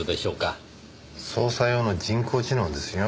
捜査用の人工知能ですよ。